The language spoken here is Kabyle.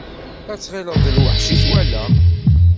Ad tɣileḍ d lweḥc i twala.